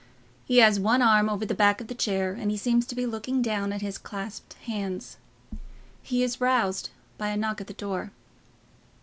He has one arm over the back of the chair, and he seems to be looking down at his clasped hands. He is roused by a knock at the door.